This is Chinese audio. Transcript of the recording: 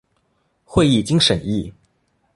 会议经审议